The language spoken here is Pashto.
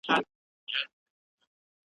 چي اسمان پر تندي څه درته لیکلي .